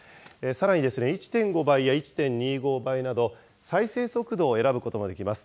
さらに１．５倍や１．２５倍など、再生速度を選ぶこともできます。